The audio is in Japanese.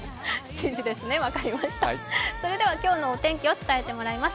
それでは今日のお天気を伝えてもらいます。